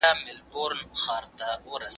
کېدای سي لوښي نم وي!!